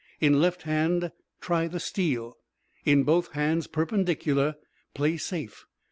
"In left hand, try the steal. "In both hands, perpendicular, play safe.